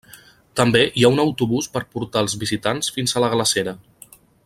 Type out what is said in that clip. També hi ha un autobús per portar els visitants fins a la glacera.